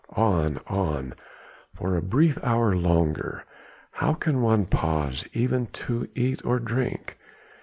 On, on, for a brief hour longer how can one pause even to eat or drink?